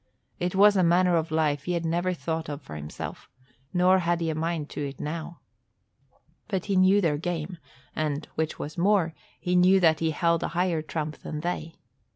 It was a manner of life he had never thought of for himself, nor had he a mind to it now. But he knew their game and, which was more, he knew that he held a higher trump than they.